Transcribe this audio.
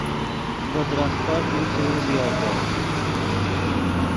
ڤے درختف یو چے اوزیڤدو